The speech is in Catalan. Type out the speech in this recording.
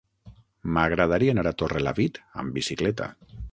M'agradaria anar a Torrelavit amb bicicleta.